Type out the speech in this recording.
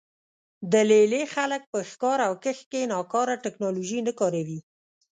د لې لې خلک په ښکار او کښت کې ناکاره ټکنالوژي نه کاروي